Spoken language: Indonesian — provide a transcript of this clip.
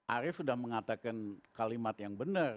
arief sudah mengatakan kalimat yang benar